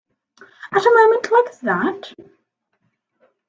At a moment like that?